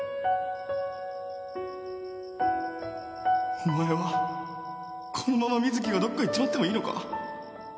お前はこのまま瑞稀がどっか行っちまってもいいのか？